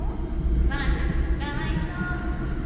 ファンなのにかわいそう。